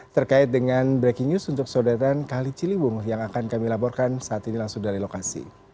terkait dengan breaking news untuk sodetan kali ciliwung yang akan kami laporkan saat ini langsung dari lokasi